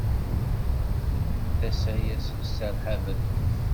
D asayes yesserhaben.